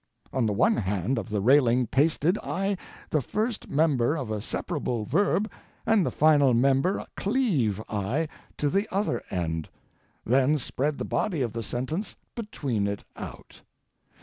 On the one end of the railing pasted I the first member of a separable verb and the final member cleave I to the other end—then spread the body of the sentence between it out!